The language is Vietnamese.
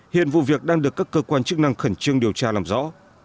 hiện vụ việc đang được các cơ quan chức năng khẩn trương điều tra làm rõ